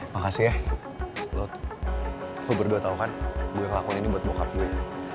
makasih ya aku berdua tau kan gue ngelakuin ini buat bokap gue